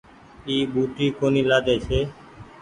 اي ٻوٽي ڪونيٚ لآۮي ڇي